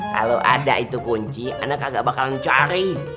kalo ada itu kunci aneh kagak bakalan cari